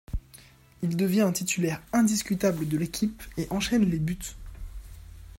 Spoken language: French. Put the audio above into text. Il devient un titulaire indiscutable de l'équipe et enchaîne les buts.